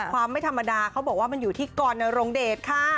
ไม่ธรรมดาเขาบอกว่ามันอยู่ที่กรนรงเดชค่ะ